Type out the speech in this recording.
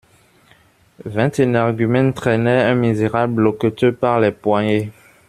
Vingt énergumènes traînaient un misérable loqueteux par les poignets.